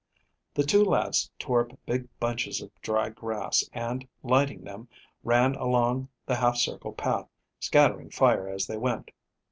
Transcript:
The two lads tore up big bunches of dry grass, and, lighting them, ran along the half circle path, scattering fire as they went.